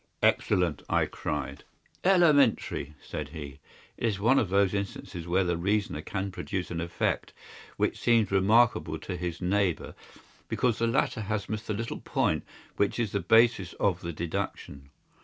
"Excellent!" I cried. "Elementary," said he. "It is one of those instances where the reasoner can produce an effect which seems remarkable to his neighbour, because the latter has missed the one little point which is the basis of the deduction.